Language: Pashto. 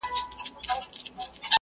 هغه د دولت د فروپښو له امله کډه سي.